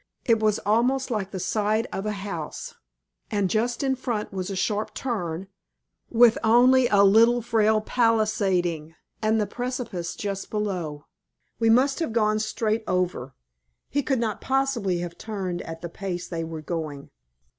It was almost like the side of a house, and just in front was a sharp turn, with only a little frail palisading, and the precipice just below. We must have gone straight over. He could not possibly have turned at the pace they were going.